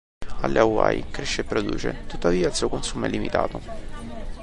Alle Hawaii cresce e produce, tuttavia il suo consumo è limitato.